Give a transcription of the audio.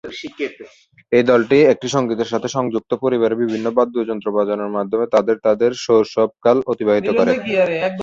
এই দলটি একটি সঙ্গীতের সাথে সংযুক্ত পরিবারে বিভিন্ন বাদ্যযন্ত্র বাজানোর মাধ্যমে তাদের তাদের শৈশবকাল অতিবাহিত করে।